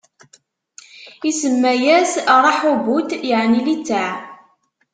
Isemma-yas Raḥubut, yeɛni litteɛ;